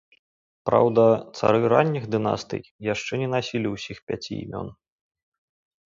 Праўда, цары ранніх дынастый яшчэ не насілі ўсіх пяці імён.